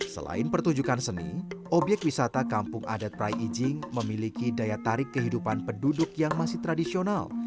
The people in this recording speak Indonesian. selain pertunjukan seni obyek wisata kampung adat prai ijing memiliki daya tarik kehidupan penduduk yang masih tradisional